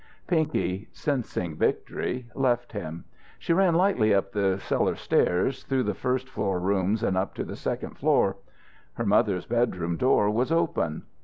Pinky, sensing victory, left him. She ran lightly up the cellar stairs, through the first floor rooms and up to the second floor. Her mother's bedroom door was open.